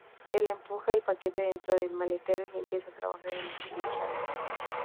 Él empuja el paquete dentro del maletero, y empieza a trabajar en el pinchazo.